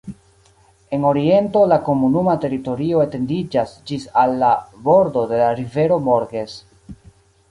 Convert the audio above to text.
En oriento la komunuma teritorio etendiĝas ĝis al la bordo de la rivero Morges.